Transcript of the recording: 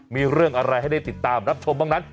มีเรื่องอะไรให้ได้ติดตามรับชมบ้างนั้น